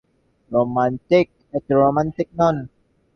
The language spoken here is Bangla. তিনি একই সাথে রোমান্টিক এবং রোমান্টিক নন"।